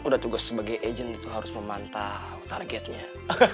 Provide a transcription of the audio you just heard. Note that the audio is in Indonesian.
udah tugas sebagai agent itu harus memantau targetnya